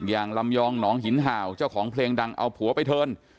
อย่างลำยองหนองหินห่าวเจ้าของเพลงดังเอาผัวไปเทิน